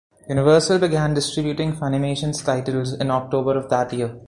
Universal began distributing Funimation's titles in October of that year.